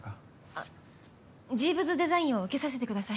あっジーヴズ・デザインを受けさせてください。